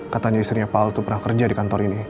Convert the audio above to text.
katanya istrinya pak al tuh pernah kerja di kantor ini